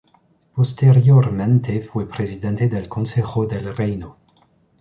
Posteriormente fue presidente del Consejo del Reino.